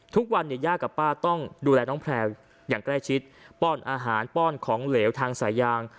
ทุกวันเนี่ยย่ากับป้าต้องดูแลน้องแพลวอย่างใกล้ชิดป้อนอาหารป้อนของเหลวทางสายยาง